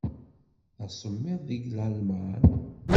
D asemmiḍ deg Lalman?